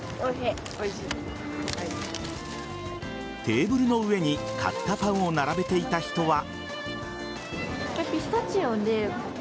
テーブルの上に買ったパンを並べていた人は。